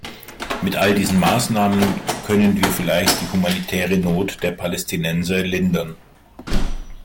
Mit all diesen Maßnahmen können wir vielleicht die humanitäre Not der Palästinenser lindern.